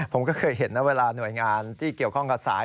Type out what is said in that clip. ผมก็เคยเห็นนะเวลาหน่วยงานที่เกี่ยวข้องกับสาย